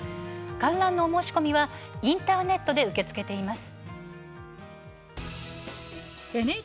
観覧のお申し込みはインターネットで受け付けています。